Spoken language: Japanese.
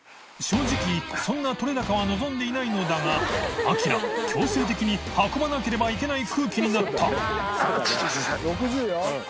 秬議そんな撮れ高は望んでいないのだが▲強制的に運ばなければいけない空気になった修Δ世そうだね。